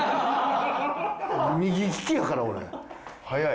右利きやから俺。